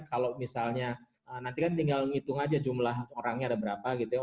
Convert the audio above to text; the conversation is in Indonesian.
kalau misalnya nanti kan tinggal ngitung aja jumlah orangnya ada berapa gitu ya